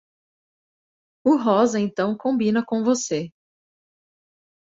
O rosa então combina com você.